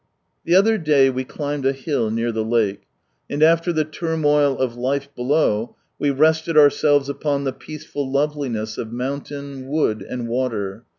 The other day we climbed a hill near the lake, and after the turmoil of life below, we rested ourselves upon the peaceful loveliness of mountain, wood, and water.